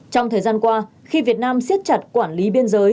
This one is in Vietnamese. trong thời gian qua khi việt nam siết chặt quản lý biên giới